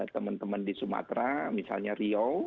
teman teman di sumatera misalnya riau